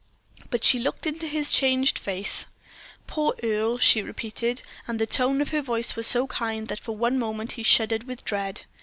But she looked into his changed face. "Poor Earle," she repeated; and the tone of her voice was so kind that for one moment he shuddered with dread.